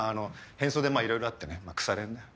変装でまぁいろいろあってね腐れ縁だよ。